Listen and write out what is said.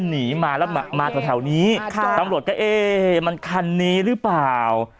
หนีมาแล้วมาแถวนี้ค่ะตำรวจก็เอ๊ะมันคันนี้หรือเปล่า